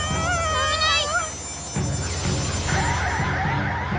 あぶない！